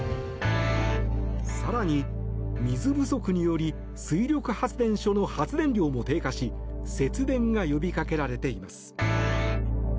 更に、水不足により水力発電所の発電量も低下し節電が呼びかけられています。